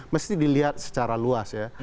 mesti dilihat secara luas ya